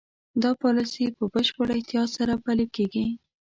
دا پالیسي په بشپړ احتیاط سره پلي کېږي.